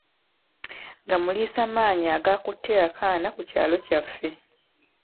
Gamuliisa maanyi agaakutte akaana ku kyalo kyaffe.